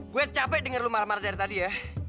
gue capek denger lo marah marah dari tadi ya